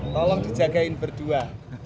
tolong dijagain berdua